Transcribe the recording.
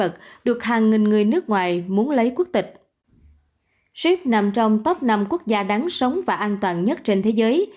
sip nằm trong top năm quốc gia đáng sống và an toàn nhất trên thế giới